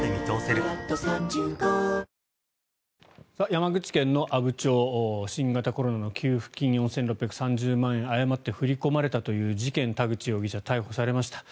山口県の阿武町新型コロナの給付金４６３０万円誤って振り込まれたという事件田口容疑者、逮捕されました。